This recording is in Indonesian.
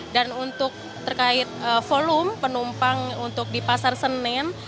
dan untuk terkait volume penumpang untuk di pasar senen